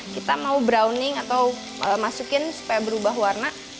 kita mau browning atau masukin supaya berubah warna